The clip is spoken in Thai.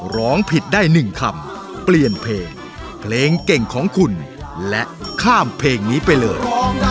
ร้องผิดได้๑คำเปลี่ยนเพลงเพลงเก่งของคุณและข้ามเพลงนี้ไปเลย